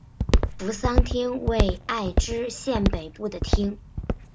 扶桑町为爱知县北部的町。